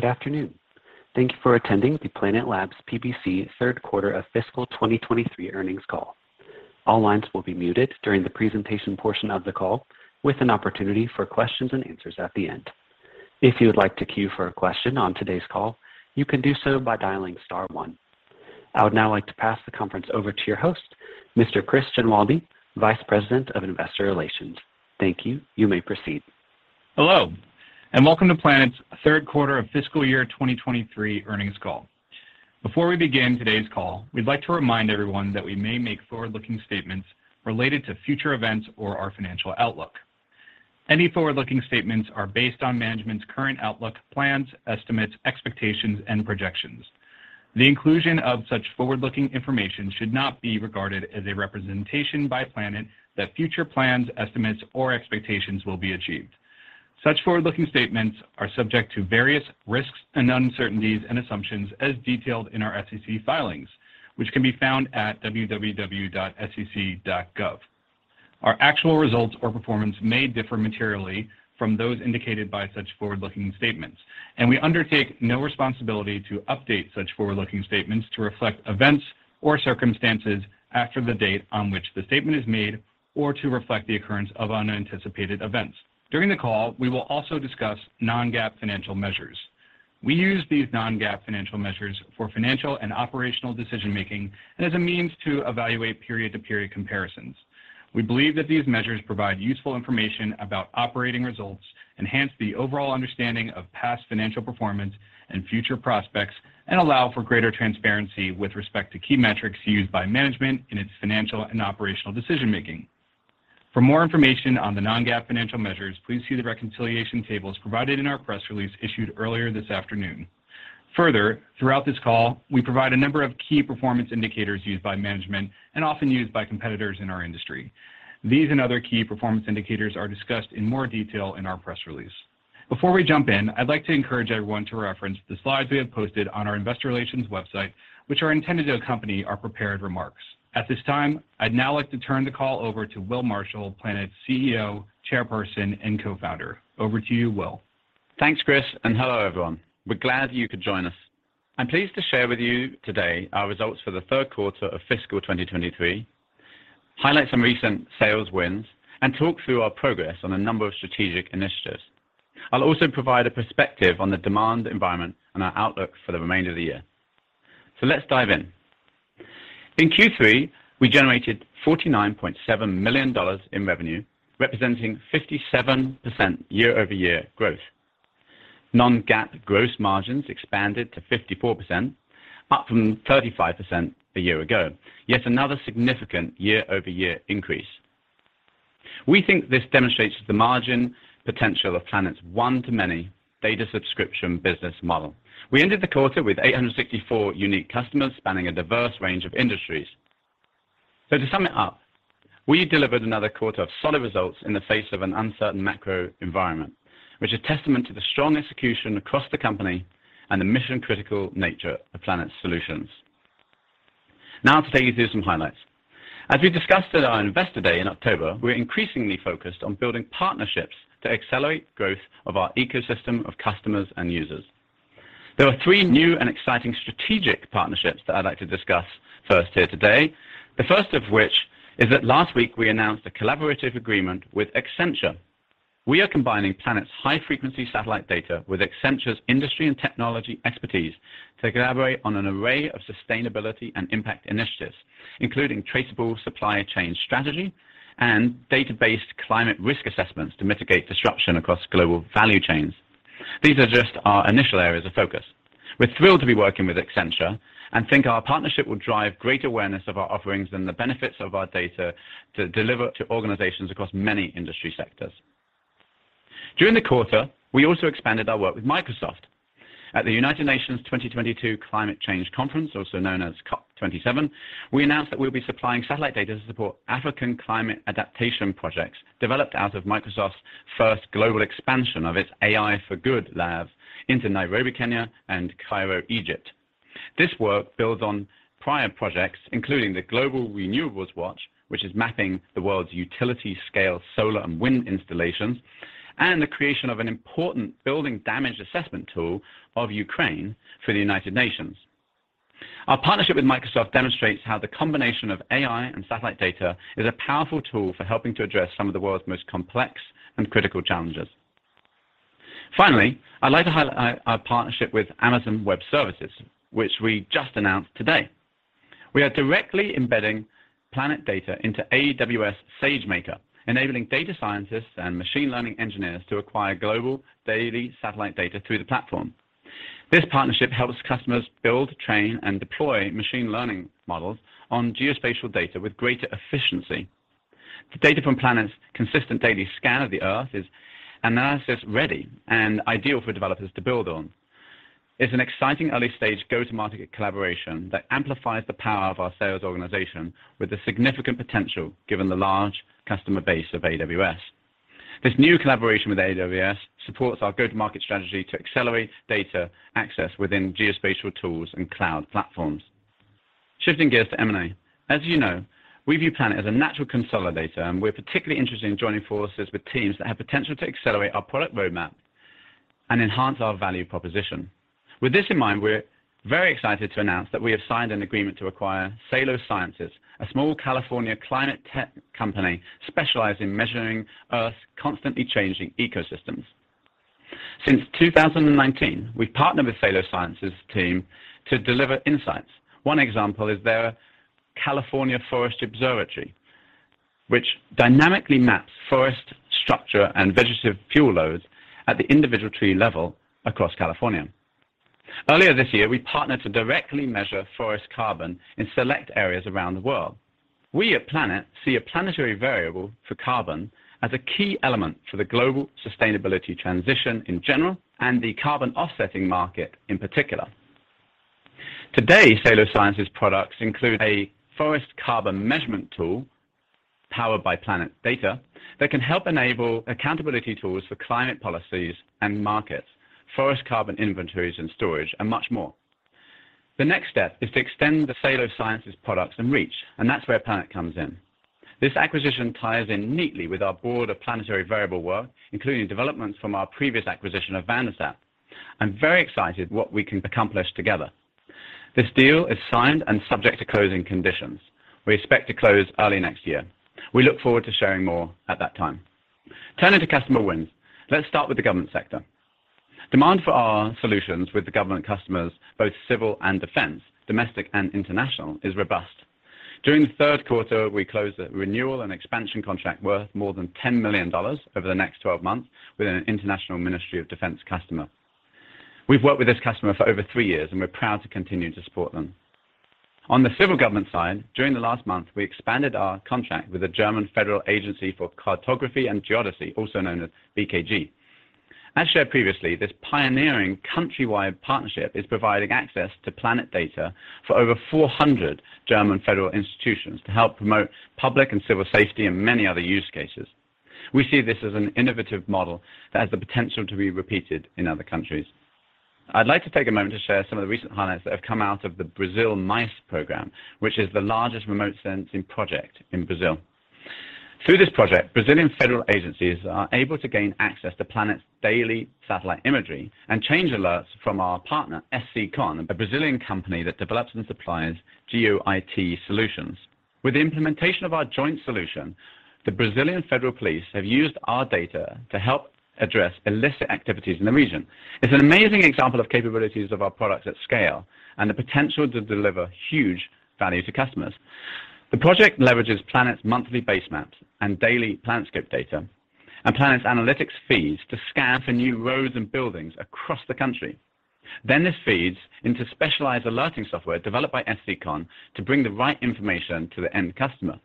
Good afternoon. Thank you for attending the Planet Labs PBC third quarter of fiscal 2023 earnings call. All lines will be muted during the presentation portion of the call with an opportunity for Q&A at the end. If you would like to queue for a question on today's call, you can do so by dialing star one. I would now like to pass the conference over to your host, Mr. Chris Genualdi, Vice President of Investor Relations. Thank you. You may proceed. Hello, and welcome to Planet's third quarter of fiscal year 2023 earnings call. Before we begin today's call, we'd like to remind everyone that we may make forward-looking statements related to future events or our financial outlook. Any forward-looking statements are based on management's current outlook, plans, estimates, expectations, and projections. The inclusion of such forward-looking information should not be regarded as a representation by Planet that future plans, estimates, or expectations will be achieved. Such forward-looking statements are subject to various risks and uncertainties and assumptions as detailed in our SEC filings, which can be found at www.sec.gov. Our actual results or performance may differ materially from those indicated by such forward-looking statements, and we undertake no responsibility to update such forward-looking statements to reflect events or circumstances after the date on which the statement is made or to reflect the occurrence of unanticipated events. During the call, we will also discuss non-GAAP financial measures. We use these non-GAAP financial measures for financial and operational decision-making and as a means to evaluate period-to-period comparisons. We believe that these measures provide useful information about operating results, enhance the overall understanding of past financial performance and future prospects, and allow for greater transparency with respect to key metrics used by management in its financial and operational decision making. For more information on the non-GAAP financial measures, please see the reconciliation tables provided in our press release issued earlier this afternoon. Throughout this call, we provide a number of key performance indicators used by management and often used by competitors in our industry. These and other key performance indicators are discussed in more detail in our press release. Before we jump in, I'd like to encourage everyone to reference the slides we have posted on our investor relations website, which are intended to accompany our prepared remarks. At this time, I'd now like to turn the call over to Will Marshall, Planet's CEO, Chairperson, and Co-Founder. Over to you, Will. Thanks, Chris. Hello, everyone. We're glad you could join us. I'm pleased to share with you today our results for the third quarter of fiscal 2023, highlight some recent sales wins, and talk through our progress on a number of strategic initiatives. I'll also provide a perspective on the demand environment and our outlook for the remainder of the year. Let's dive in. In Q3, we generated $49.7 million in revenue, representing 57% year-over-year growth. Non-GAAP gross margins expanded to 54%, up from 35% a year ago. Yet another significant year-over-year increase. We think this demonstrates the margin potential of Planet's one-to-many data subscription business model. We ended the quarter with 864 unique customers spanning a diverse range of industries. To sum it up, we delivered another quarter of solid results in the face of an uncertain macro environment, which is testament to the strong execution across the company and the mission-critical nature of Planet's solutions. To take you through some highlights. As we discussed at our Investor Day in October, we're increasingly focused on building partnerships to accelerate growth of our ecosystem of customers and users. There are three new and exciting strategic partnerships that I'd like to discuss first here today. The first of which is that last week we announced a collaborative agreement with Accenture. We are combining Planet's high-frequency satellite data with Accenture's industry and technology expertise to collaborate on an array of sustainability and impact initiatives, including traceable supply chain strategy and data-based climate risk assessments to mitigate disruption across global value chains. These are just our initial areas of focus. We're thrilled to be working with Accenture and think our partnership will drive great awareness of our offerings and the benefits of our data to deliver to organizations across many industry sectors. During the quarter, we also expanded our work with Microsoft. At the United Nations 2022 Climate Change Conference, also known as COP27, we announced that we'll be supplying satellite data to support African climate adaptation projects developed out of Microsoft's first global expansion of its AI for Good Lab into Nairobi, Kenya and Cairo, Egypt. This work builds on prior projects, including the Global Renewables Watch, which is mapping the world's utility scale solar and wind installations and the creation of an important building damage assessment tool of Ukraine for the United Nations. Our partnership with Microsoft demonstrates how the combination of AI and satellite data is a powerful tool for helping to address some of the world's most complex and critical challenges. I'd like to highlight our partnership with Amazon Web Services, which we just announced today. We are directly embedding Planet data into AWS SageMaker, enabling data scientists and machine learning engineers to acquire global daily satellite data through the platform. This partnership helps customers build, train, and deploy machine learning models on geospatial data with greater efficiency. The data from Planet's consistent daily scan of the Earth is analysis-ready and ideal for developers to build on. It's an exciting early-stage go-to-market collaboration that amplifies the power of our sales organization with a significant potential given the large customer base of AWS. This new collaboration with AWS supports our go-to-market strategy to accelerate data access within geospatial tools and cloud platforms. Shifting gears to M&A. As you know, we view Planet as a natural consolidator, and we're particularly interested in joining forces with teams that have potential to accelerate our product roadmap and enhance our value proposition. With this in mind, we're very excited to announce that we have signed an agreement to acquire Salo Sciences, a small California climate tech company specialized in measuring Earth's constantly changing ecosystems. Since 2019, we've partnered with Salo Sciences team to deliver insights. One example is their California Forest Observatory, which dynamically maps forest structure and vegetative fuel loads at the individual tree level across California. Earlier this year, we partnered to directly measure forest carbon in select areas around the world. We at Planet see a planetary variable for carbon as a key element for the global sustainability transition in general and the carbon offsetting market in particular. Today, Salo Sciences products include a forest carbon measurement tool powered by Planet data that can help enable accountability tools for climate policies and markets, forest carbon inventories and storage, and much more. The next step is to extend the Salo Sciences products and reach. That's where Planet comes in. This acquisition ties in neatly with our board of planetary variable work, including developments from our previous acquisition of VanderSat. I'm very excited what we can accomplish together. This deal is signed and subject to closing conditions. We expect to close early next year. We look forward to sharing more at that time. Turning to customer wins. Let's start with the government sector. Demand for our solutions with the government customers, both civil and defense, domestic and international, is robust. During the third quarter, we closed a renewal and expansion contract worth more than $10 million over the next 12 months with an international ministry of defense customer. We've worked with this customer for over three years, we're proud to continue to support them. On the civil government side, during the last month, we expanded our contract with the German Federal Agency for Cartography and Geodesy, also known as BKG. As shared previously, this pioneering country-wide partnership is providing access to Planet data for over 400 German federal institutions to help promote public and civil safety and many other use cases. We see this as an innovative model that has the potential to be repeated in other countries. I'd like to take a moment to share some of the recent highlights that have come out of the Brasil MAIS program, which is the largest remote sensing project in Brazil. Through this project, Brazilian federal agencies are able to gain access to Planet's daily satellite imagery and change alerts from our partner, SCCON, a Brazilian company that develops and supplies geo IT solutions. With the implementation of our joint solution, the Federal Police of Brazil have used our data to help address illicit activities in the region. It's an amazing example of capabilities of our products at scale and the potential to deliver huge value to customers. The project leverages Planet's monthly base maps and daily PlanetScope data and Planet's analytics feeds to scan for new roads and buildings across the country. This feeds into specialized alerting software developed by SCCON to bring the right information to the end customer.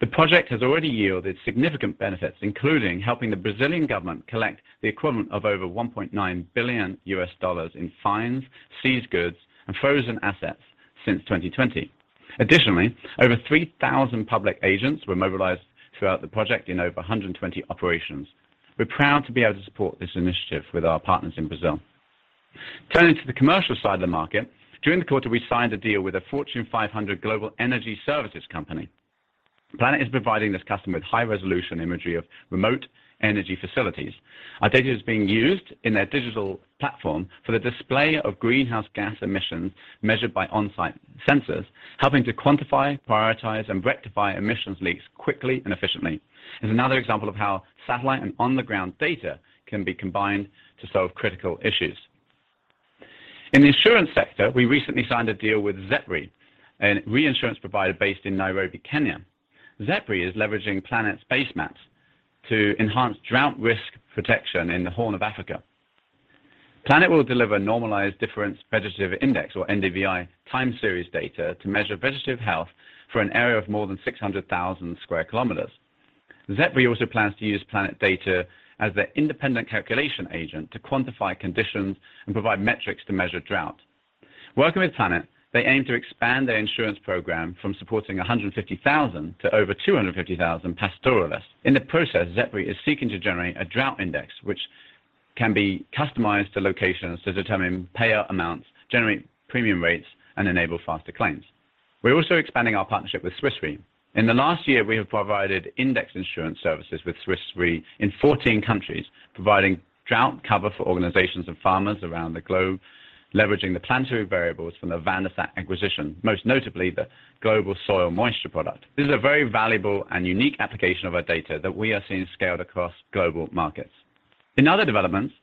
The project has already yielded significant benefits, including helping the Brazilian government collect the equivalent of over $1.9 billion in fines, seized goods, and frozen assets since 2020. Additionally, over 3,000 public agents were mobilized throughout the project in over 120 operations. We're proud to be able to support this initiative with our partners in Brazil. Turning to the commercial side of the market, during the quarter, we signed a deal with a Fortune 500 global energy services company. Planet is providing this customer with high-resolution imagery of remote energy facilities. Our data is being used in their digital platform for the display of greenhouse gas emissions measured by on-site sensors, helping to quantify, prioritize, and rectify emissions leaks quickly and efficiently. It's another example of how satellite and on-the-ground data can be combined to solve critical issues. In the insurance sector, we recently signed a deal with ZEP-RE, a reinsurance provider based in Nairobi, Kenya. ZEP-RE is leveraging Planet's base maps to enhance drought risk protection in the Horn of Africa. Planet will deliver Normalized Difference Vegetation Index or NDVI time series data to measure vegetative health for an area of more than 600,000 km². ZEP-RE also plans to use Planet data as their independent calculation agent to quantify conditions and provide metrics to measure drought. Working with Planet, they aim to expand their insurance program from supporting 150,000 to over 250,000 pastoralists. In the process, ZEP-RE is seeking to generate a drought index, which can be customized to locations to determine payout amounts, generate premium rates, and enable faster claims. We're also expanding our partnership with Swiss Re. In the last year, we have provided index insurance services with Swiss Re in 14 countries, providing drought cover for organizations and farmers around the globe, leveraging the Planetary Variables from the VanderSat acquisition, most notably the global soil moisture product. This is a very valuable and unique application of our data that we are seeing scaled across global markets. In other developments,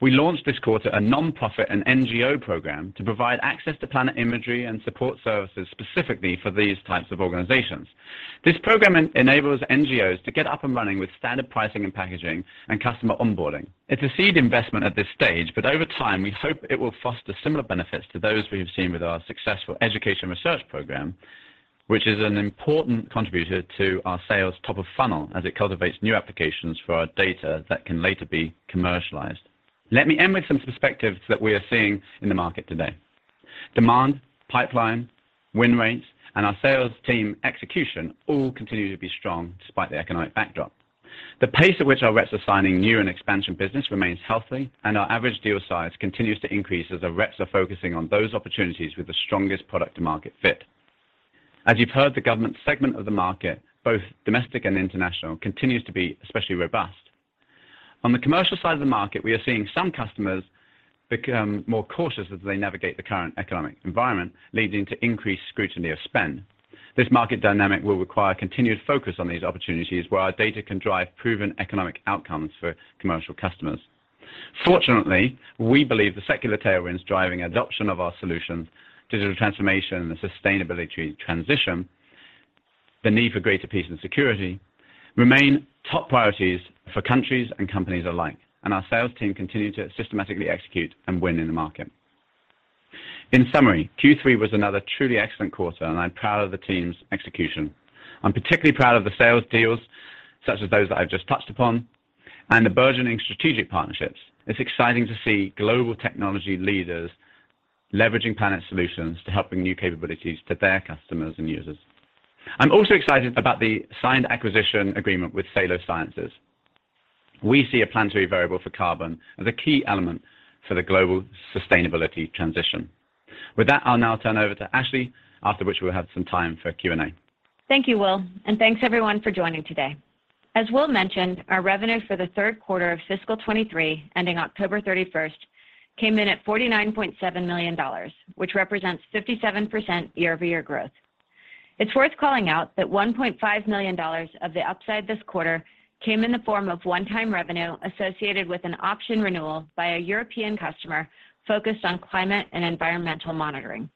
we launched this quarter a nonprofit and NGO program to provide access to Planet imagery and support services specifically for these types of organizations. This program enables NGOs to get up and running with standard pricing and packaging and customer onboarding. It's a seed investment at this stage. Over time, we hope it will foster similar benefits to those we've seen with our successful education research program, which is an important contributor to our sales top of funnel as it cultivates new applications for our data that can later be commercialized. Let me end with some perspectives that we are seeing in the market today. Demand, pipeline, win rates, and our sales team execution all continue to be strong despite the economic backdrop. The pace at which our reps are signing new and expansion business remains healthy, and our average deal size continues to increase as our reps are focusing on those opportunities with the strongest product to market fit. As you've heard, the government segment of the market, both domestic and international, continues to be especially robust. On the commercial side of the market, we are seeing some customers become more cautious as they navigate the current economic environment, leading to increased scrutiny of spend. This market dynamic will require continued focus on these opportunities where our data can drive proven economic outcomes for commercial customers. Fortunately, we believe the secular tailwinds driving adoption of our solution, digital transformation, the sustainability transition, the need for greater peace and security remain top priorities for countries and companies alike, and our sales team continue to systematically execute and win in the market. In summary, Q3 was another truly excellent quarter, and I'm proud of the team's execution. I'm particularly proud of the sales deals, such as those that I've just touched upon, and the burgeoning strategic partnerships. It's exciting to see global technology leaders leveraging Planet solutions to help bring new capabilities to their customers and users. I'm also excited about the signed acquisition agreement with Salo Sciences. We see a planetary variable for carbon as a key element for the global sustainability transition. With that, I'll now turn over to Ashley, after which we'll have some time for Q&A. Thank you, Will, and thanks everyone for joining today. As Will mentioned, our revenue for the third quarter of fiscal 2023, ending October 31st, came in at $49.7 million, which represents 57% year-over-year growth. It's worth calling out that $1.5 million of the upside this quarter came in the form of one-time revenue associated with an option renewal by a European customer focused on climate and environmental monitoring.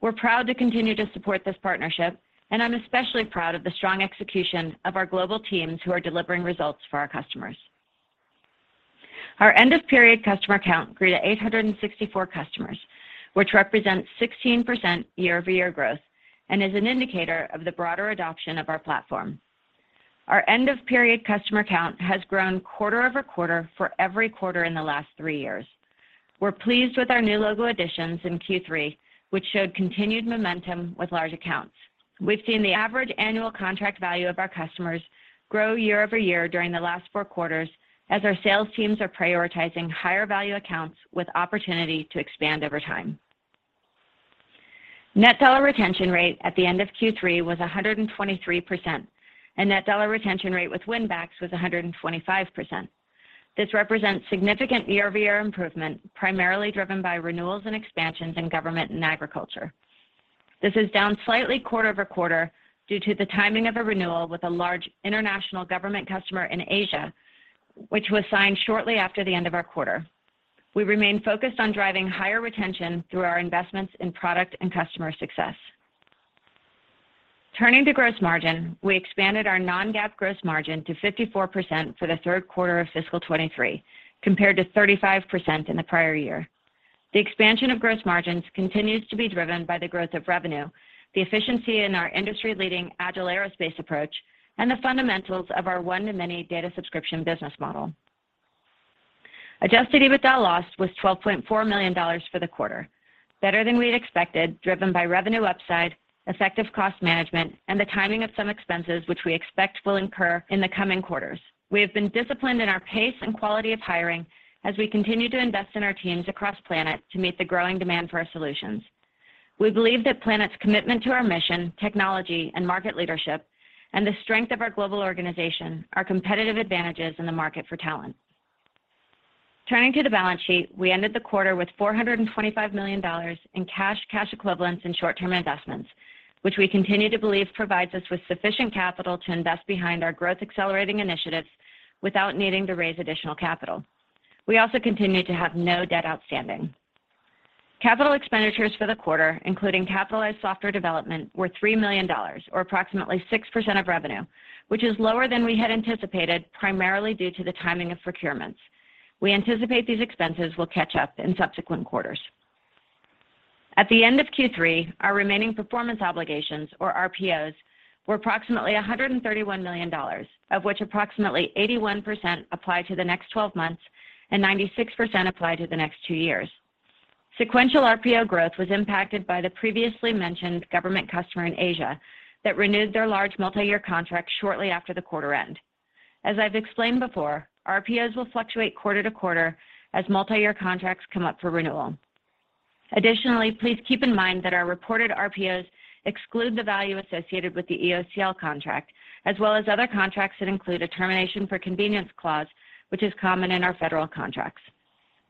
We're proud to continue to support this partnership, and I'm especially proud of the strong execution of our global teams who are delivering results for our customers. Our end-of-period customer count grew to 864 customers, which represents 16% year-over-year growth and is an indicator of the broader adoption of our platform. Our end-of-period customer count has grown quarter-over-quarter for every quarter in the last three years. We're pleased with our new logo additions in Q3, which showed continued momentum with large accounts. We've seen the average annual contract value of our customers grow year-over-year during the last four quarters as our sales teams are prioritizing higher value accounts with opportunity to expand over time. Net dollar retention rate at the end of Q3 was 123%, and net dollar retention rate with win backs was 125%. This represents significant year-over-year improvement, primarily driven by renewals and expansions in government and agriculture. This is down slightly quarter-over-quarter due to the timing of a renewal with a large international government customer in Asia, which was signed shortly after the end of our quarter. We remain focused on driving higher retention through our investments in product and customer success. Turning to gross margin, we expanded our non-GAAP gross margin to 54% for the 3rd quarter of fiscal 2023, compared to 35% in the prior year. The expansion of gross margins continues to be driven by the growth of revenue, the efficiency in our industry-leading agile aerospace approach, and the fundamentals of our one-to-many data subscription business model. Adjusted EBITDA loss was $12.4 million for the quarter, better than we had expected, driven by revenue upside, effective cost management, and the timing of some expenses which we expect will incur in the coming quarters. We have been disciplined in our pace and quality of hiring as we continue to invest in our teams across Planet to meet the growing demand for our solutions. We believe that Planet's commitment to our mission, technology and market leadership, and the strength of our global organization are competitive advantages in the market for talent. Turning to the balance sheet, we ended the quarter with $425 million in cash equivalents, and short-term investments, which we continue to believe provides us with sufficient capital to invest behind our growth accelerating initiatives without needing to raise additional capital. We also continue to have no debt outstanding. Capital expenditures for the quarter, including capitalized software development, were $3 million, or approximately 6% of revenue, which is lower than we had anticipated, primarily due to the timing of procurements. We anticipate these expenses will catch up in subsequent quarters. At the end of Q3, our remaining performance obligations, or RPOs, were approximately $131 million, of which approximately 81% apply to the next 12 months and 96% apply to the next two years. Sequential RPO growth was impacted by the previously mentioned government customer in Asia that renewed their large multi-year contract shortly after the quarter end. As I've explained before, RPOs will fluctuate quarter-to-quarter as multi-year contracts come up for renewal. Additionally, please keep in mind that our reported RPOs exclude the value associated with the EOCL contract, as well as other contracts that include a termination for convenience clause, which is common in our federal contracts.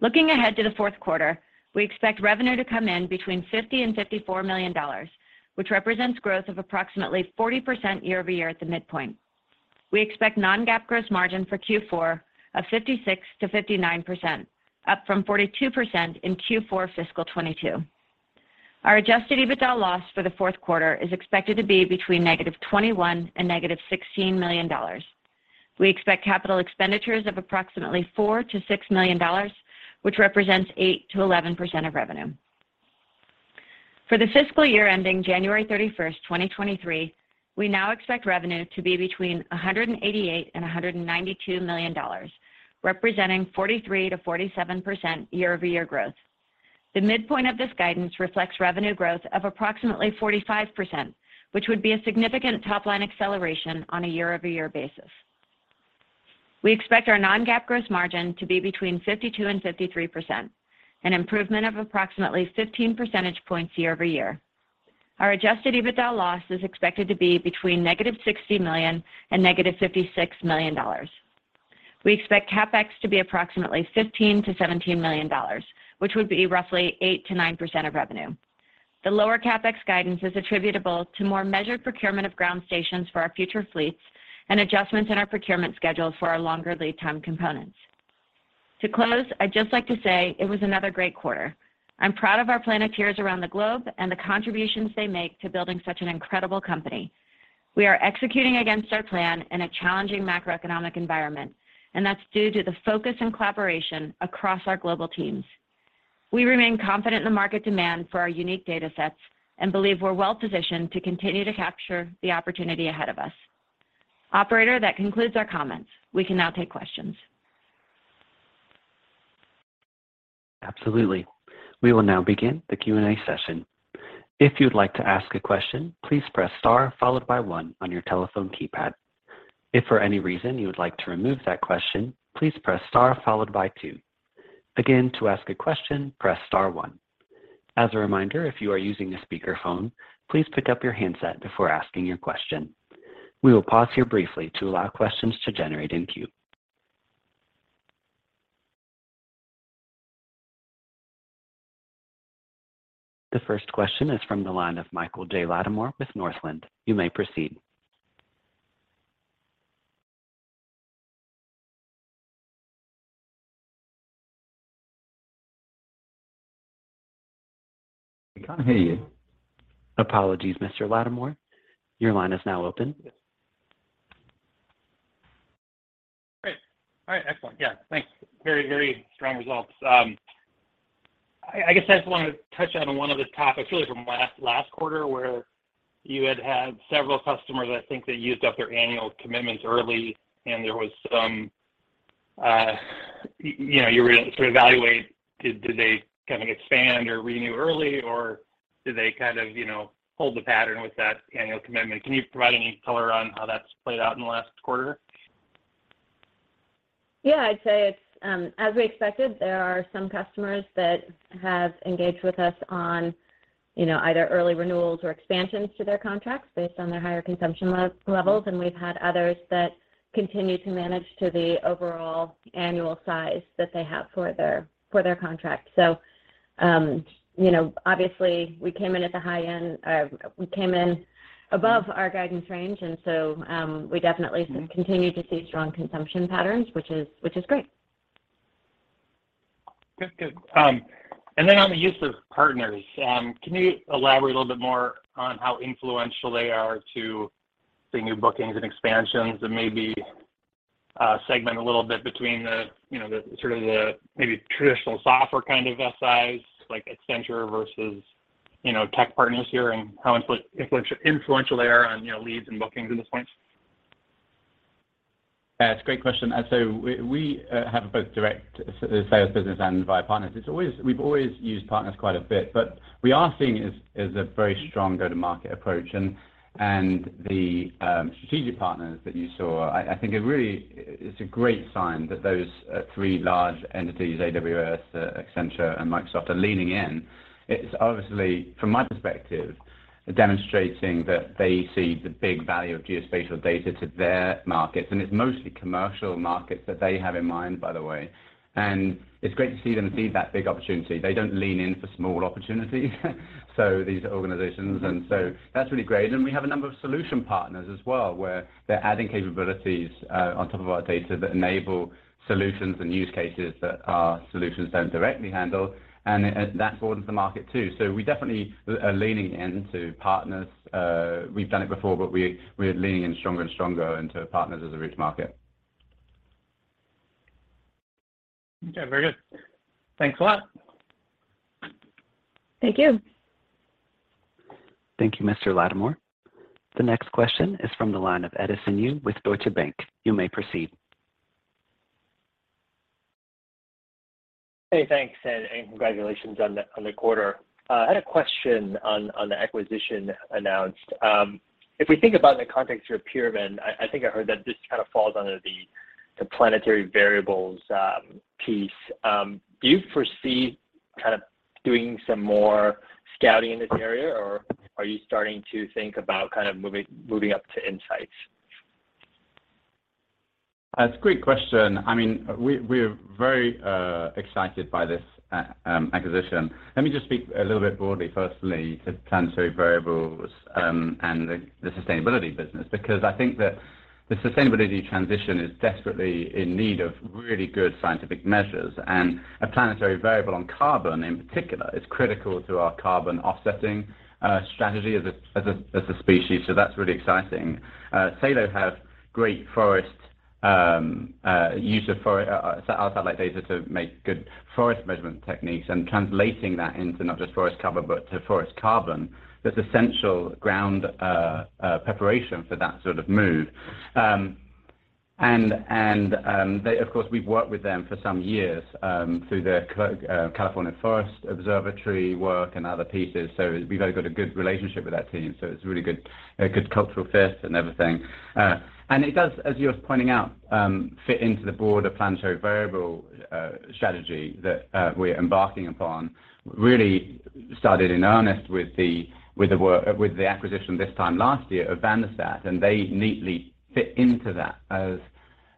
Looking ahead to the fourth quarter, we expect revenue to come in between $50 million and $54 million, which represents growth of approximately 40% year-over-year at the midpoint. We expect non-GAAP gross margin for Q4 of 56%-59%, up from 42% in Q4 fiscal 2022. Our Adjusted EBITDA loss for the fourth quarter is expected to be between negative $21 million and negative $16 million. We expect capital expenditures of approximately $4 million-$6 million, which represents 8%-11% of revenue. For the fiscal year ending 31st January, 2023, we now expect revenue to be between $188 million and $192 million, representing 43%-47% year-over-year growth. The midpoint of this guidance reflects revenue growth of approximately 45%, which would be a significant top-line acceleration on a year-over-year basis. We expect our non-GAAP gross margin to be between 52% and 53%, an improvement of approximately 15 percentage points year-over-year. Our Adjusted EBITDA loss is expected to be between negative $60 million and negative $56 million. We expect CapEx to be approximately $15 million-$17 million, which would be roughly 8%-9% of revenue. The lower CapEx guidance is attributable to more measured procurement of ground stations for our future fleets and adjustments in our procurement schedules for our longer lead time components. To close, I'd just like to say it was another great quarter. I'm proud of our Planeteers around the globe and the contributions they make to building such an incredible company. We are executing against our plan in a challenging macroeconomic environment. That's due to the focus and collaboration across our global teams. We remain confident in the market demand for our unique datasets and believe we're well positioned to continue to capture the opportunity ahead of us. Operator, that concludes our comments. We can now take questions. Absolutely. We will now begin the Q&A session. If you'd like to ask a question, please press star followed by one on your telephone keypad. If for any reason you would like to remove that question, please press star followed by two. Again, to ask a question, press star one. As a reminder, if you are using a speakerphone, please pick up your handset before asking your question. We will pause here briefly to allow questions to generate in queue. The first question is from the line of Michael J. Latimore with Northland. You may proceed. We can't hear you. Apologies, Mr. Latimore. Your line is now open. Great. All right, excellent. Thanks. Very strong results. I guess I just wanted to touch on one of the topics really from last quarter, where you had several customers. I think they used up their annual commitments early, and there was some, you know, you were sort of evaluate did they kind of expand or renew early, or did they kind of, you know, hold the pattern with that annual commitment? Can you provide any color on how that's played out in the last quarter? I'd say it's as we expected, there are some customers that have engaged with us on, you know, either early renewals or expansions to their contracts based on their higher consumption levels, and we've had others that continue to manage to the overall annual size that they have for their contract. You know, obviously we came in at the high end. We came in above our guidance range, and we definitely continue to see strong consumption patterns, which is great. Good. Good. On the use of partners, can you elaborate a little bit more on how influential they are to the new bookings and expansions and maybe segment a little bit between the, you know, the sort of the maybe traditional software kind of SIs like Accenture versus, you know, tech partners here and how influential they are on, you know, leads and bookings at this point? Yeah, it's a great question. We have both direct sales business and via partners. We've always used partners quite a bit, but we are seeing as a very strong go-to-market approach and the strategic partners that you saw, I think it really is a great sign that those three large entities, AWS, Accenture and Microsoft are leaning in. It's obviously, from my perspective, demonstrating that they see the big value of geospatial data to their markets, and it's mostly commercial markets that they have in mind, by the way. It's great to see them see that big opportunity. They don't lean in for small opportunities, so these are organizations. That's really great. We have a number of solution partners as well, where they're adding capabilities on top of our data that enable solutions and use cases that our solutions don't directly handle. That broadens the market too. We definitely are leaning into partners. We've done it before, but we're leaning in stronger and stronger into partners as a route to market. Okay. Very good. Thanks a lot. Thank you. Thank you, Mr. Latimore. The next question is from the line of Edison Yu with Deutsche Bank. You may proceed. Hey, thanks, and congratulations on the quarter. I had a question on the acquisition announced. If we think about in the context of your pyramid, I think I heard that this kind of falls under the Planetary Variables piece. Do you foresee kind of doing some more scouting in this area, or are you starting to think about kind of moving up to insights? That's a great question. I mean, we're very excited by this acquisition. Let me just speak a little bit broadly, firstly, to Planetary Variables and the sustainability business, because I think that the sustainability transition is desperately in need of really good scientific measures. A Planetary Variable on carbon, in particular, is critical to our carbon offsetting strategy as a species. That's really exciting. Salo have great forest use of satellite data to make good forest measurement techniques and translating that into not just forest cover, but to forest carbon, that's essential ground preparation for that sort of move. Of course, we've worked with them for some years through their California Forest Observatory work and other pieces. We've got a good relationship with that team, so it's really good, a good cultural fit and everything. It does, as you're pointing out, fit into the broader Planetary Variables strategy that we're embarking upon. Really started in earnest with the acquisition this time last year of VanderSat, and they neatly fit into that as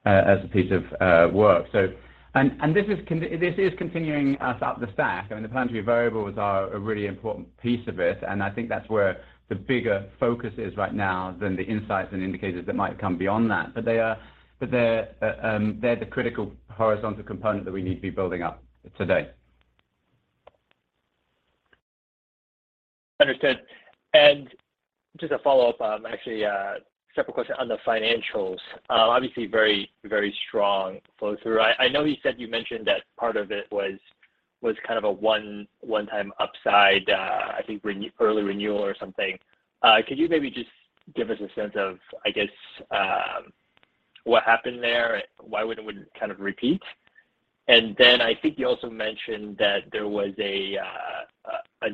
a piece of work. This is continuing us up the stack. I mean, the Planetary Variables are a really important piece of it, and I think that's where the bigger focus is right now than the insights and indicators that might come beyond that. They're, they're the critical horizontal component that we need to be building up today. Understood. Just a follow-up, actually, a separate question on the financials. Obviously, very strong flow through. I know you said you mentioned that part of it was kind of a one-time upside, I think early renewal or something. Could you maybe just give us a sense of, I guess, what happened there? Why would it kind of repeat? I think you also mentioned that there was a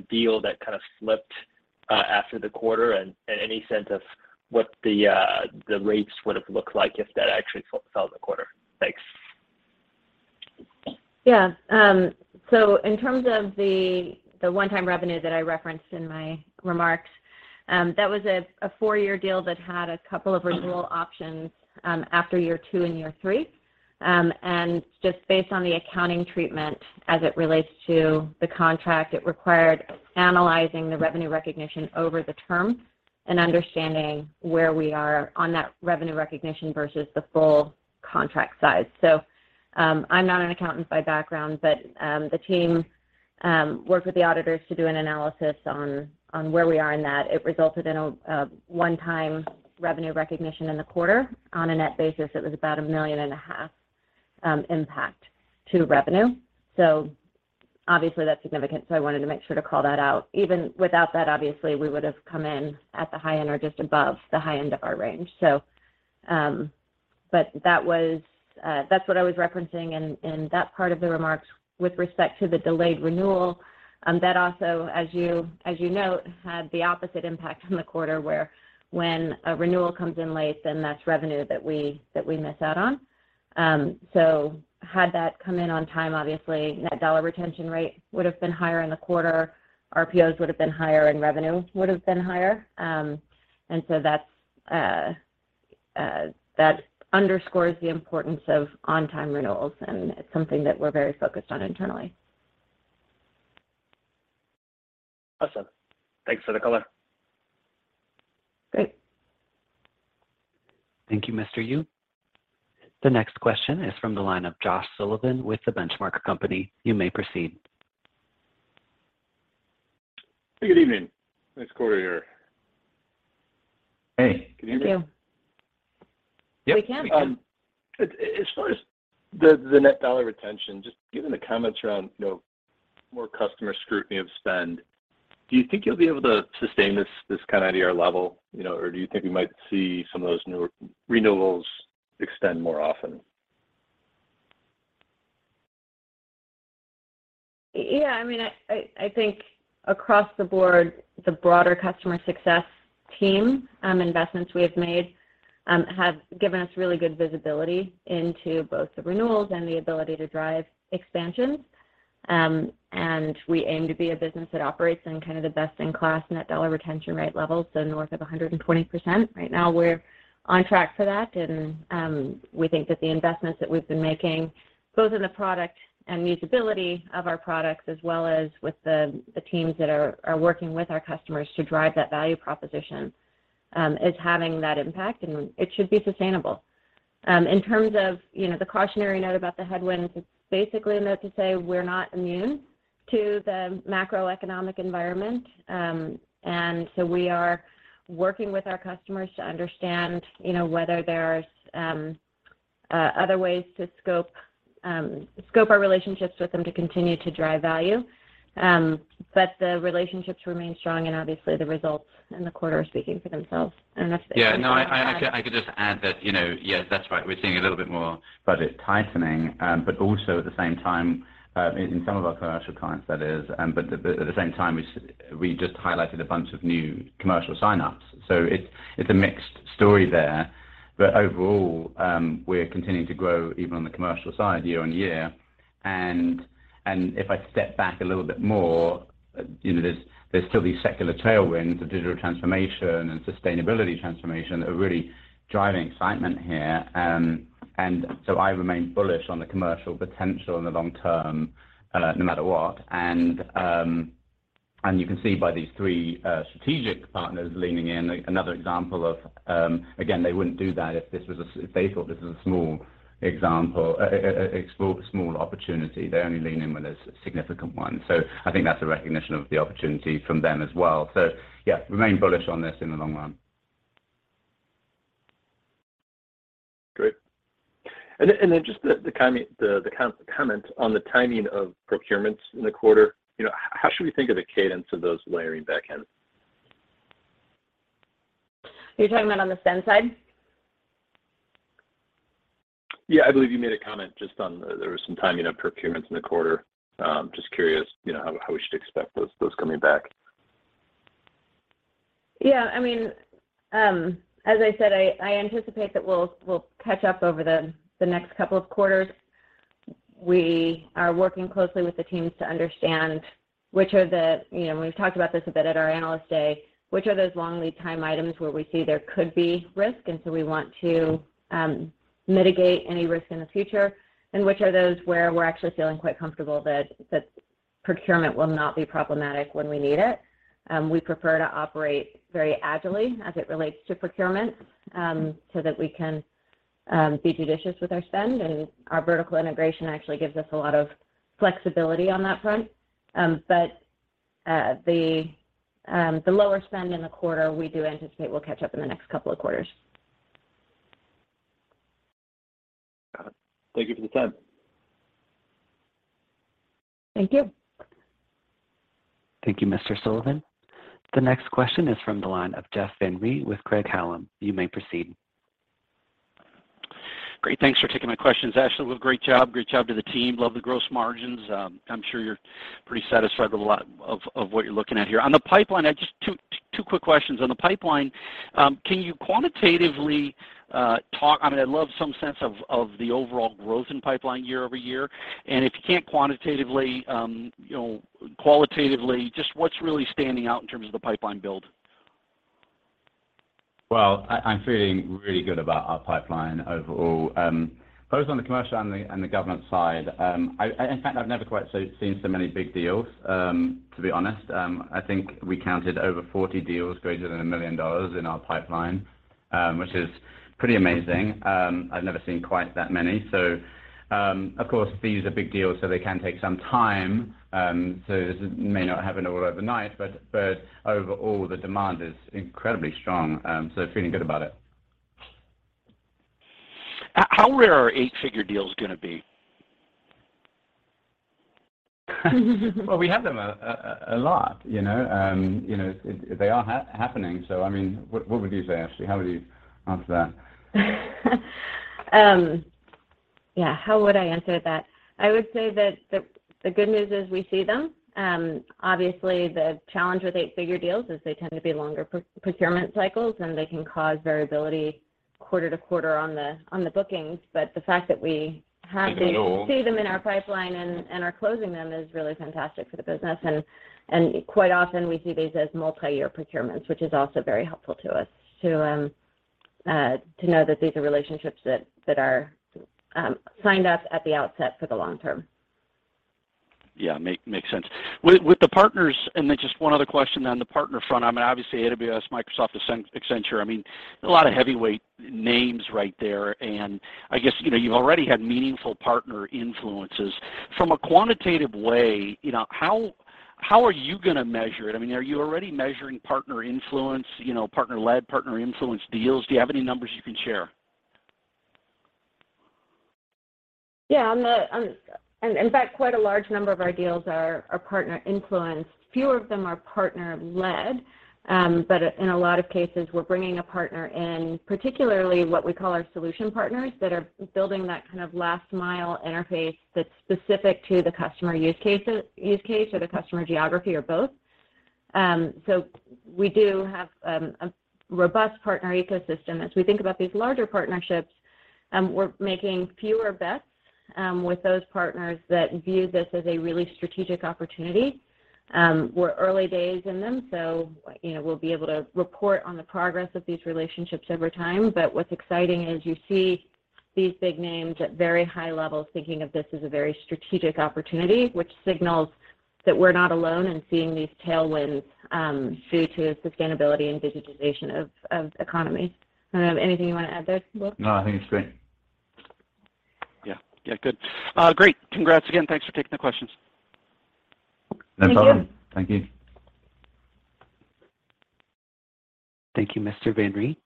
deal that kind of slipped after the quarter. Any sense of what the rates would have looked like if that actually fell in the quarter? Thanks? In terms of the one-time revenue that I referenced in my remarks, that was a four-year deal that had a couple of renewal options after year two and year three. Just based on the accounting treatment as it relates to the contract, it required analyzing the revenue recognition over the term and understanding where we are on that revenue recognition versus the full contract size. I'm not an accountant by background, the team worked with the auditors to do an analysis on where we are in that. It resulted in a one-time revenue recognition in the quarter. On a net basis, it was about a $1.5 million impact to revenue. Obviously, that's significant. I wanted to make sure to call that out. Even without that, obviously, we would've come in at the high end or just above the high end of our range. But that was, that's what I was referencing in that part of the remarks. With respect to the delayed renewal, that also, as you note, had the opposite impact on the quarter, where when a renewal comes in late, then that's revenue that we miss out on. Had that come in on time, obviously net dollar retention rate would've been higher in the quarter, RPOs would've been higher, and revenue would've been higher. That underscores the importance of on-time renewals, and it's something that we're very focused on internally. Awesome. Thanks for the color. Great. Thank you, Mr. Yu. The next question is from the line of Josh Sullivan with The Benchmark Company. You may proceed. Good evening. Nice quarter here. Hey. Thank you. Can you hear me? We can. Yep, we can. As far as the net dollar retention, just given the comments around, you know, more customer scrutiny of spend, do you think you'll be able to sustain this kind of ADR level, you know, or do you think we might see some of those new renewals extend more often? Yeah, I mean, I think across the board, the broader customer success team, investments we have made, have given us really good visibility into both the renewals and the ability to drive expansions. We aim to be a business that operates in kind of the best in class net dollar retention rate levels, so north of 120%. Right now, we're on track for that, we think that the investments that we've been making, both in the product and usability of our products as well as with the teams that are working with our customers to drive that value proposition, is having that impact, and it should be sustainable. In terms of, you know, the cautionary note about the headwinds, it's basically a note to say we're not immune to the macroeconomic environment. We are working with our customers to understand, you know, whether there's other ways to scope our relationships with them to continue to drive value. The relationships remain strong and obviously the results in the quarter are speaking for themselves. Yeah, no, I could just add that, you know, yes, that's right. We're seeing a little bit more budget tightening, but also at the same time, in some of our commercial clients, that is, but at the same time, we just highlighted a bunch of new commercial sign-ups. It's a mixed story there. Overall, we're continuing to grow even on the commercial side year-on-year. If I step back a little bit more, you know, there's still these secular tailwinds of digital transformation and sustainability transformation that are really driving excitement here. I remain bullish on the commercial potential in the long term, no matter what. You can see by these three strategic partners leaning in, another example of, again, they wouldn't do that if they thought this was a small example, a small opportunity. They only lean in when there's a significant one. I think that's a recognition of the opportunity from them as well. Yeah, remain bullish on this in the long run. Great. Then just the comment on the timing of procurements in the quarter, you know, how should we think of the cadence of those layering back in? You're talking about on the spend side? Yeah. I believe you made a comment just on there was some timing of procurements in the quarter. Just curious, you know, how we should expect those coming back? I mean, as I said, I anticipate that we'll catch up over the next couple of quarters. We are working closely with the teams to understand which are the you know, we've talked about this a bit at our Analyst Day, which are those long lead time items where we see there could be risk, so we want to mitigate any risk in the future, and which are those where we're actually feeling quite comfortable that procurement will not be problematic when we need it. We prefer to operate very agilely as it relates to procurement, so that we can be judicious with our spend. Our vertical integration actually gives us a lot of flexibility on that front. The lower spend in the quarter, we do anticipate we'll catch up in the next couple of quarters. Got it. Thank you for the time. Thank you. Thank you, Mr. Sullivan. The next question is from the line of Jeff Van Rhee with Craig-Hallum. You may proceed. Great. Thanks for taking my questions. Ashley, great job. Great job to the team. Love the gross margins. I'm sure you're pretty satisfied with a lot of what you're looking at here. On the pipeline, I just two quick questions. On the pipeline, can you quantitatively talk? I mean, I'd love some sense of the overall growth in pipeline year-over-year. If you can't quantitatively, you know, qualitatively, just what's really standing out in terms of the pipeline build? Well, I'm feeling really good about our pipeline overall, both on the commercial and the government side. In fact, I've never quite so seen so many big deals, to be honest. I think we counted over 40 deals greater than $1 million in our pipeline, which is pretty amazing. I've never seen quite that many. Of course these are big deals, so they can take some time. This may not happen all overnight, but overall, the demand is incredibly strong. Feeling good about it. How rare are eight-figure deals gonna be? We have them a lot, you know. You know, they are happening. I mean, what would you say, Ashley? How would you answer that? Yeah, how would I answer that? I would say that the good news is we see them. Obviously the challenge with eight-figure deals is they tend to be longer procurement cycles, and they can cause variability quarter-to-quarter on the bookings. In the know. See them in our pipeline and are closing them is really fantastic for the business. Quite often we see these as multi-year procurements, which is also very helpful to us to know that these are relationships that are signed up at the outset for the long term. Yeah. Makes sense. With the partners, and then just one other question on the partner front. I mean, obviously AWS, Microsoft, Accenture, I mean, a lot of heavyweight names right there. I guess, you know, you've already had meaningful partner influences. From a quantitative way, you know, how are you gonna measure it? I mean, are you already measuring partner influence, you know, partner-led, partner influence deals? Do you have any numbers you can share? On the, in fact, quite a large number of our deals are partner influenced. Fewer of them are partner-led. In a lot of cases we're bringing a partner in, particularly what we call our solution partners that are building that kind of last mile interface that's specific to the customer use case or the customer geography or both. We do have a robust partner ecosystem. As we think about these larger partnerships, we're making fewer bets with those partners that view this as a really strategic opportunity. We're early days in them, so, you know, we'll be able to report on the progress of these relationships over time. What's exciting is you see these big names at very high levels thinking of this as a very strategic opportunity, which signals that we're not alone in seeing these tailwinds due to sustainability and digitization of economy. I don't know. Anything you wanna add there, Will? No. I think it's great. Yeah. Yeah. Good. Great. Congrats again. Thanks for taking the questions. No problem. Thank you. Thank you. Thank you, Mr. Van Rhee.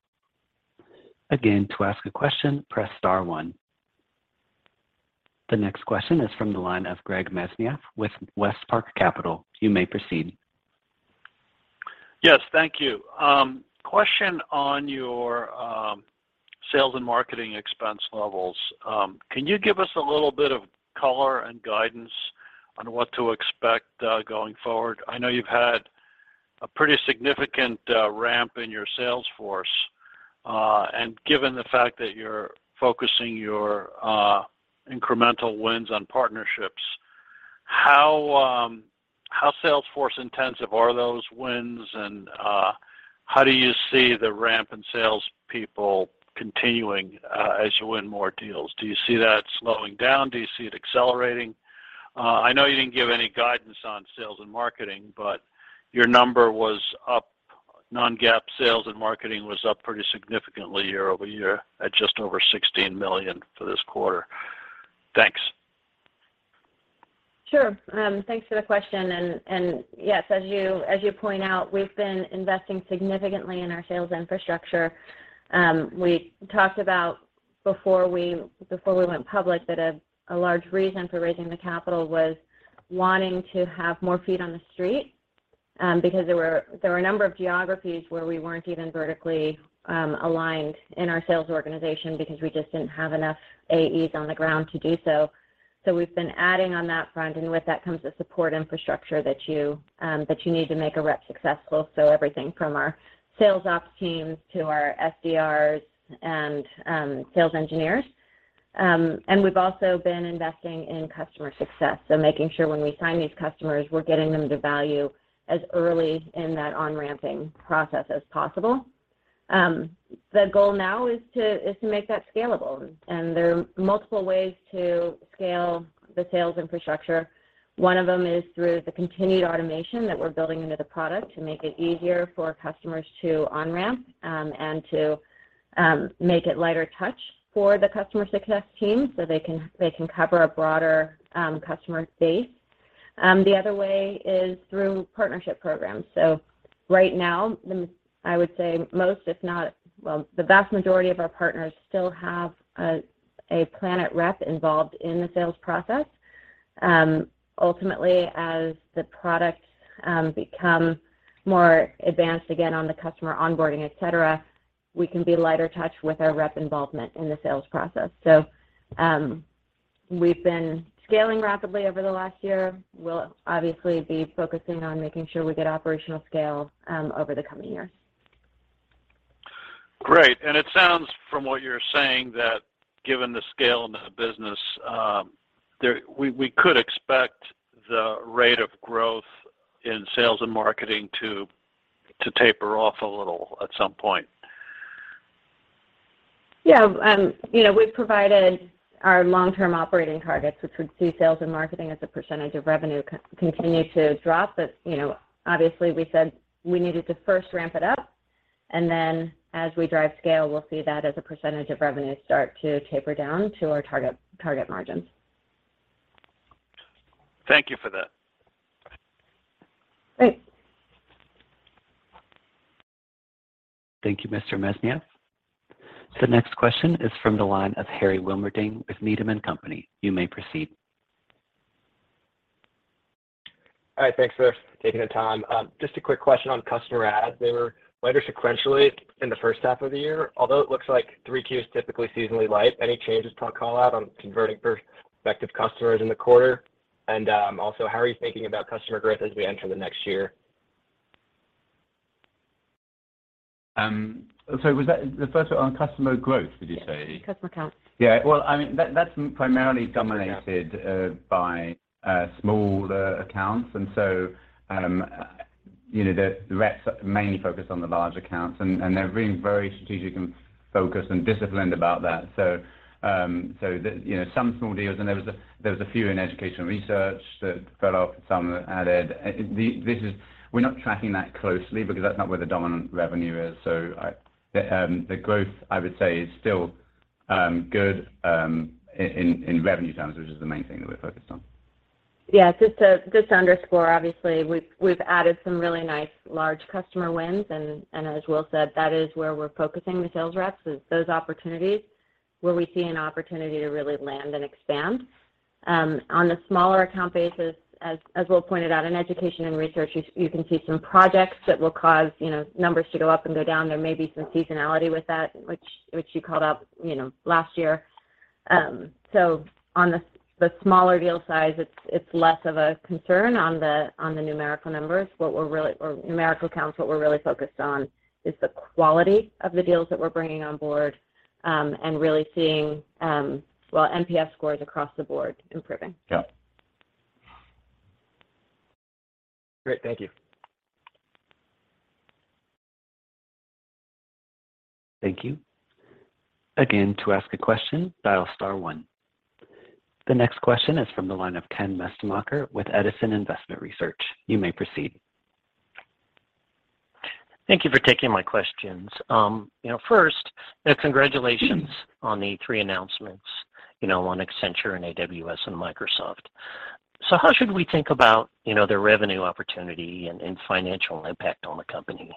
Again, to ask a question, press star one. The next question is from the line of Greg Mesniaeff with WestPark Capital. You may proceed. Yes. Thank you. Question on your sales and marketing expense levels. Can you give us a little bit of color and guidance on what to expect going forward? I know you've had a pretty significant ramp in your sales force. Given the fact that you're focusing your incremental wins on partnerships, how salesforce intensive are those wins and how do you see the ramp in salespeople continuing as you win more deals? Do you see that slowing down? Do you see it accelerating? I know you didn't give any guidance on sales and marketing, but your number was up, non-GAAP sales and marketing was up pretty significantly year-over-year at just over $16 million for this quarter. Thanks. Sure. Thanks for the question. Yes, as you point out, we've been investing significantly in our sales infrastructure. We talked about before we went public that a large reason for raising the capital was wanting to have more feet on the street, because there were a number of geographies where we weren't even vertically aligned in our sales organization because we just didn't have enough AEs on the ground to do so. We've been adding on that front, and with that comes the support infrastructure that you need to make a rep successful. Everything from our sales ops teams to our SDRs and sales engineers. We've also been investing in customer success. Making sure when we sign these customers, we're getting them the value as early in that on-ramping process as possible. The goal now is to make that scalable, and there are multiple ways to scale the sales infrastructure. One of them is through the continued automation that we're building into the product to make it easier for customers to on-ramp and to make it lighter touch for the customer success team so they can cover a broader customer base. The other way is through partnership programs. Right now, I would say most, if not the vast majority of our partners still have a Planet rep involved in the sales process. Ultimately, as the product become more advanced again on the customer onboarding, et cetera, we can be lighter touch with our rep involvement in the sales process. We've been scaling rapidly over the last year. We'll obviously be focusing on making sure we get operational scale over the coming years. Great. It sounds from what you're saying that given the scale in the business, we could expect the rate of growth in sales and marketing to taper off a little at some point. Yeah. You know, we've provided our long-term operating targets, which would see sales and marketing as a percentage of revenue continue to drop. You know, obviously, we said we needed to first ramp it up, and then as we drive scale, we'll see that as a percentage of revenue start to taper down to our target margins. Thank you for that. Great. Thank you, Mr. Mestemacher. The next question is from the line of Harry Wilmerding with Needham & Company. You may proceed. All right. Thanks for taking the time. Just a quick question on customer adds. They were lighter sequentially in the first half of the year, although it looks like three Qs typically seasonally light. Any changes to our call out on converting prospective customers in the quarter? Also, how are you thinking about customer growth as we enter the next year? Was that the first one on customer growth, did you say? Yes. Customer counts. Yeah. Well, I mean, that's primarily dominated. Customer counts. By smaller accounts. You know, the reps mainly focus on the large accounts, and they're being very strategic and focused and disciplined about that. You know, some small deals, and there was a few in education research that fell off, some added. We're not tracking that closely because that's not where the dominant revenue is. The growth, I would say, is still good in revenue terms, which is the main thing that we're focused on. Just to underscore, obviously, we've added some really nice large customer wins, and as Will said, that is where we're focusing the sales reps is those opportunities where we see an opportunity to really land and expand. On the smaller account basis, as Will pointed out, in education and research, you can see some projects that will cause, you know, numbers to go up and go down. There may be some seasonality with that, which you called out, you know, last year. On the smaller deal size, it's less of a concern on the numerical numbers. What we're really focused on is the quality of the deals that we're bringing on board, and really seeing, well, NPS scores across the board improving. Yeah. Great. Thank you. Thank you. Again, to ask a question, dial star one. The next question is from the line of Ken Mestemacher with Edison Investment Research. You may proceed. Thank you for taking my questions. you know, first, congratulations on the three announcements, you know, on Accenture and AWS and Microsoft. How should we think about, you know, the revenue opportunity and financial impact on the company?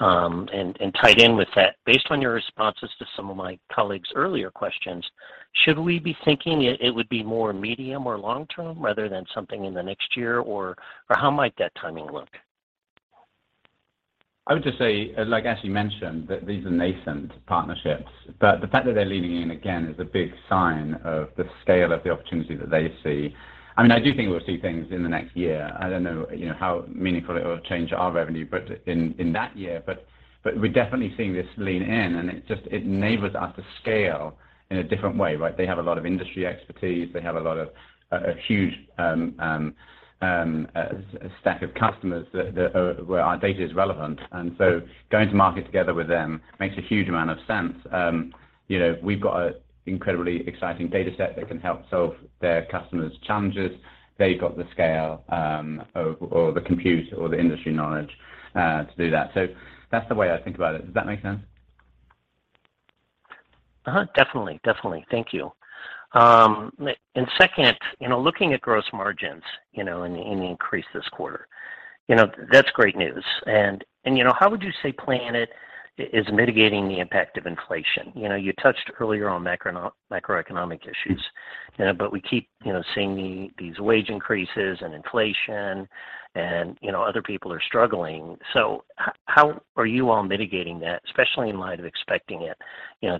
Tied in with that, based on your responses to some of my colleagues' earlier questions, should we be thinking it would be more medium or long term rather than something in the next year? How might that timing look? I would just say, like Ashley mentioned, that these are nascent partnerships, but the fact that they're leaning in again is a big sign of the scale of the opportunity that they see. I mean, I do think we'll see things in the next year. I don't know, you know, how meaningful it will change our revenue, but in that year. We're definitely seeing this lean in, and it enables us to scale in a different way, right? They have a lot of industry expertise. They have a lot of, a huge, a stack of customers that where our data is relevant. Going to market together with them makes a huge amount of sense. You know, we've got a incredibly exciting data set that can help solve their customers' challenges. They've got the scale, or the compute or the industry knowledge, to do that. That's the way I think about it. Does that make sense? Definitely. Thank you. Second, you know, looking at gross margins, you know, the increase this quarter, you know, that's great news. You know, how would you say Planet is mitigating the impact of inflation? You know, you touched earlier on macroeconomic issues, we keep, you know, seeing these wage increases and inflation and, you know, other people are struggling. How are you all mitigating that, especially in light of expecting it, you know,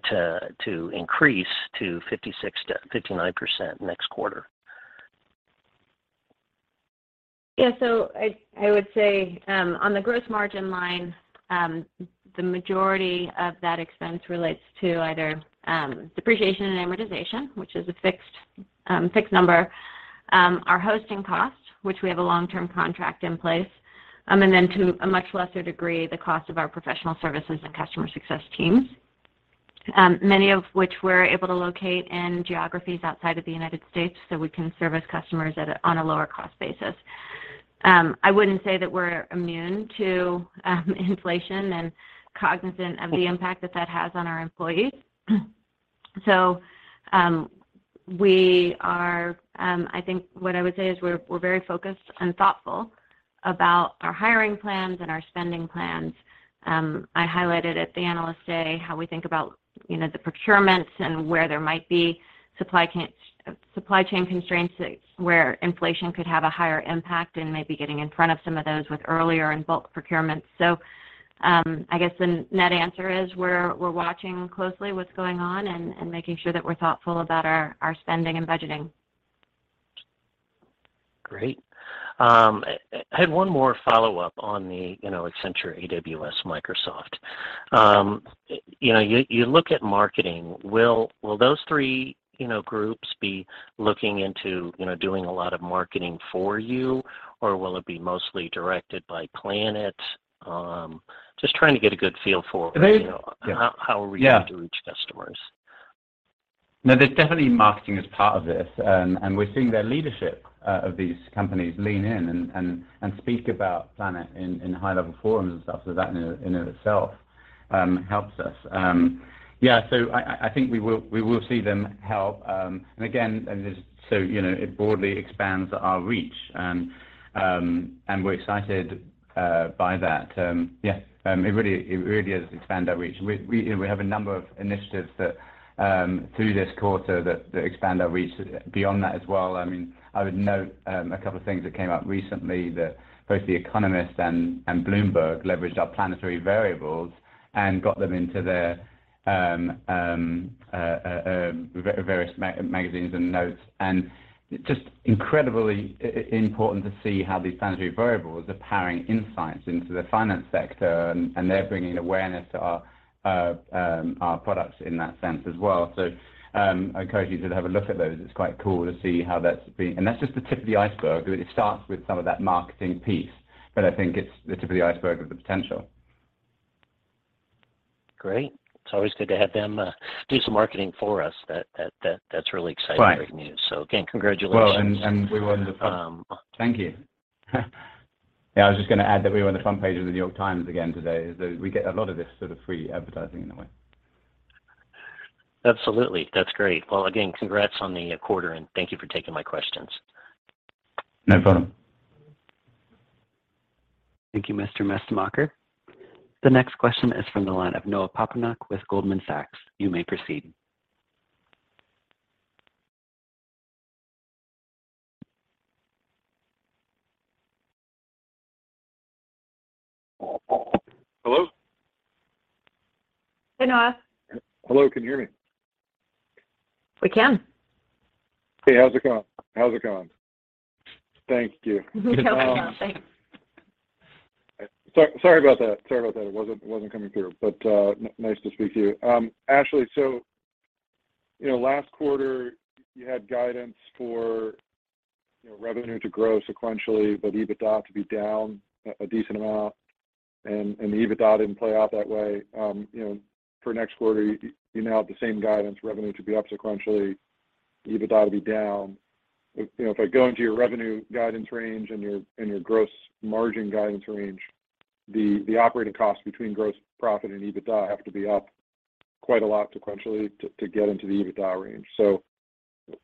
to increase to 56%-59% next quarter? Yeah. I would say, on the gross margin line, the majority of that expense relates to either depreciation and amortization, which is a fixed number, our hosting costs, which we have a long-term contract in place, and then to a much lesser degree, the cost of our professional services and customer success teams, many of which we're able to locate in geographies outside of the United States, so we can service customers on a lower cost basis. I wouldn't say that we're immune to inflation and cognizant of the impact that that has on our employees. We are, I think what I would say is we're very focused and thoughtful about our hiring plans and our spending plans. I highlighted at the Analyst Day how we think about, you know, the procurements and where there might be supply chain constraints where inflation could have a higher impact and maybe getting in front of some of those with earlier and bulk procurements. I guess the net answer is we're watching closely what's going on and making sure that we're thoughtful about our spending and budgeting. Great. I had one more follow-up on the, you know, Accenture, AWS, Microsoft. You know, you look at marketing. Will those three, you know, groups be looking into, you know, doing a lot of marketing for you, or will it be mostly directed by Planet? Just trying to get a good feel for. They. You know, how are we going. Yeah. To reach customers? No, there's definitely marketing as part of this, and we're seeing the leadership of these companies lean in and speak about Planet in high-level forums and stuff, that in and of itself, helps us. Yeah, I think we will see them help. Again, just so you know, it broadly expands our reach. We're excited by that. It really does expand our reach. We have a number of initiatives that through this quarter that expand our reach beyond that as well. I mean, I would note a couple of things that came up recently that both The Economist and Bloomberg leveraged our Planetary Variables and got them into their various magazines and notes. It's just incredibly important to see how these Planetary Variables are powering insights into the finance sector, and they're bringing awareness to our products in that sense as well. I encourage you to have a look at those. It's quite cool to see how that's being. That's just the tip of the iceberg. It starts with some of that marketing piece, but I think it's the tip of the iceberg of the potential. Great. It's always good to have them do some marketing for us. That's really exciting. Right Great news. Again, congratulations. Well, we were on the front. Thank you. Yeah, I was just gonna add that we were on the front page of The New York Times again today. We get a lot of this sort of free advertising in a way. Absolutely. That's great. Well, again, congrats on the quarter, and thank you for taking my questions. No problem. Thank you, Mr. Messermacher. The next question is from the line of Noah Poponak with Goldman Sachs. You may proceed. Hello? Hey, Noah. Hello, can you hear me? We can. Hey, how's it going? How's it going? Thank you. No, we're not. Thanks. Sorry about that. Sorry about that. It wasn't, it wasn't coming through, but nice to speak to you. Ashley, you know, last quarter you had guidance for, you know, revenue to grow sequentially, but EBITDA to be down a decent amount, and the EBITDA didn't play out that way. You know, for next quarter, you now have the same guidance, revenue to be up sequentially, EBITDA to be down. You know, if I go into your revenue guidance range and your, and your gross margin guidance range, the operating costs between gross profit and EBITDA have to be up quite a lot sequentially to get into the EBITDA range.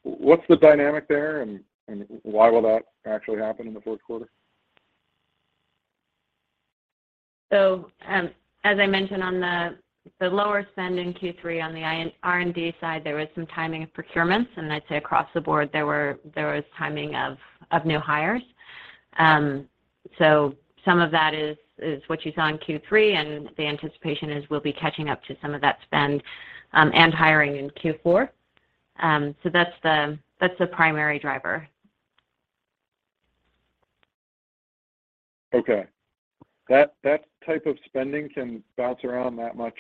What's the dynamic there and why will that actually happen in the fourth quarter? As I mentioned on the lower spend in Q3 on the R&D side, there was some timing of procurements, and I'd say across the board, there was timing of new hires. Some of that is what you saw in Q3, and the anticipation is we'll be catching up to some of that spend and hiring in Q4. That's the primary driver. Okay. That type of spending can bounce around that much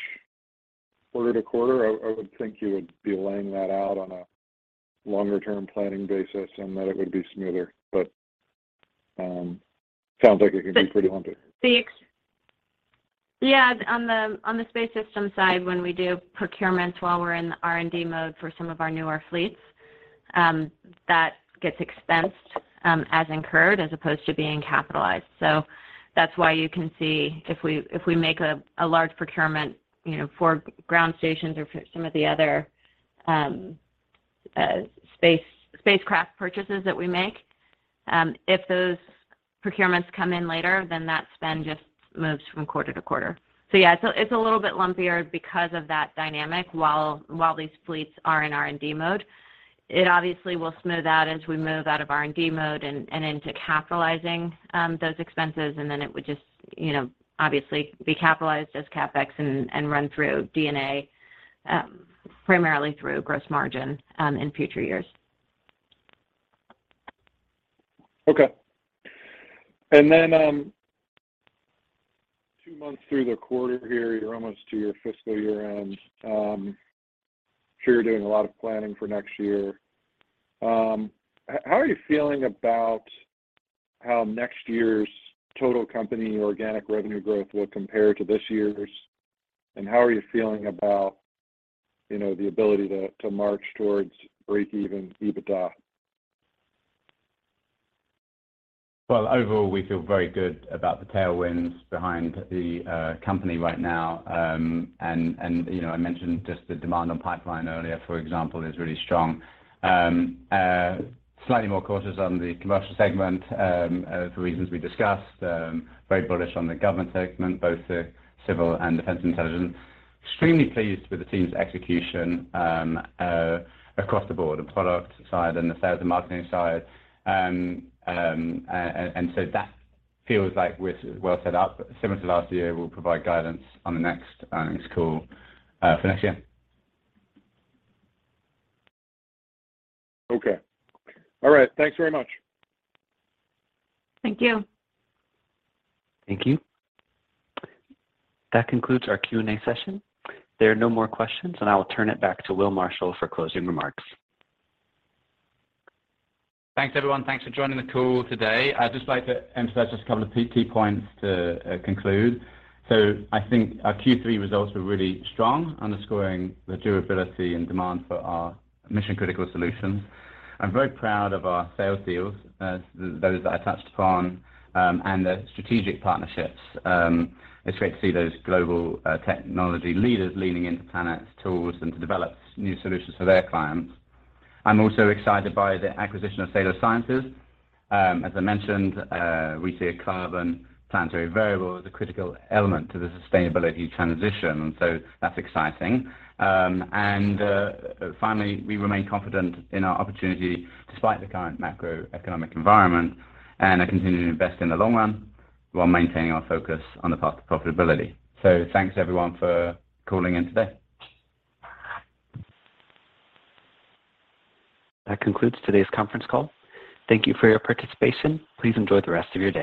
quarter to quarter? I would think you would be laying that out on a longer-term planning basis and that it would be smoother. Sounds like it can be pretty lumpy. Yeah, on the space systems side, when we do procurements while we're in the R&D mode for some of our newer fleets, that gets expensed as incurred as opposed to being capitalized. That's why you can see if we make a large procurement, you know, for ground stations or for some of the other spacecraft purchases that we make, if those procurements come in later, that spend just moves from quarter to quarter. Yeah, it's a little bit lumpier because of that dynamic while these fleets are in R&D mode. It obviously will smooth out as we move out of R&D mode and into capitalizing those expenses. It would just, you know, obviously be capitalized as CapEx and run through D&A, primarily through gross margin, in future years. Okay. two months through the quarter here, you're almost to your fiscal year end. I'm sure you're doing a lot of planning for next year. How are you feeling about how next year's total company organic revenue growth will compare to this year's? How are you feeling about, you know, the ability to march towards breakeven EBITDA? Well, overall, we feel very good about the tailwinds behind the company right now. You know, I mentioned just the demand on pipeline earlier, for example, is really strong. Slightly more cautious on the commercial segment, for reasons we discussed. Very bullish on the government segment, both the civil and defense intelligence. Extremely pleased with the team's execution across the board, the product side and the sales and marketing side. That feels like we're well set up. Similar to last year, we'll provide guidance on the next earnings call for next year. Okay. All right. Thanks very much. Thank you. Thank you. That concludes our Q&A session. There are no more questions. I will turn it back to Will Marshall for closing remarks. Thanks, everyone. Thanks for joining the call today. I'd just like to emphasize just a couple of key points to conclude. I think our Q3 results were really strong, underscoring the durability and demand for our mission-critical solutions. I'm very proud of our sales deals, those that I touched upon, and the strategic partnerships. It's great to see those global technology leaders leaning into Planet's tools and to develop new solutions for their clients. I'm also excited by the acquisition of Salo Sciences. As I mentioned, we see a carbon planetary variable as a critical element to the sustainability transition, and so that's exciting. Finally, we remain confident in our opportunity despite the current macroeconomic environment, and are continuing to invest in the long run while maintaining our focus on the path to profitability. Thanks everyone for calling in today. That concludes today's conference call. Thank you for your participation. Please enjoy the rest of your day.